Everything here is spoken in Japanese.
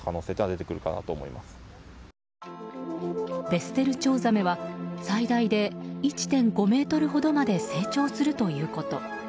ベステルチョウザメは最大で１．５ｍほどまで成長するということ。